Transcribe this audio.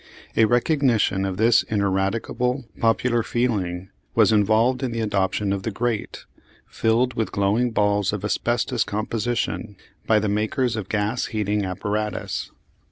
A recognition of this ineradicable popular feeling was involved in the adoption of the grate, filled with glowing balls of asbestos composition, by the makers of gas heating apparatus.